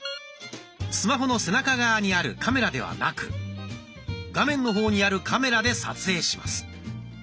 スマホの背中側にあるカメラではなく画面の方にあるカメラで撮影します。